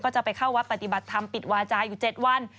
จะไปเข้าวัดปฏิบัติธรรมปิดวาจาอยู่๗วัน